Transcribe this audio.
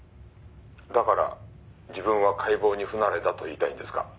「だから自分は解剖に不慣れだと言いたいんですか？」